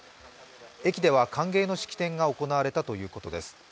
駅では歓迎の式典が行われたということです。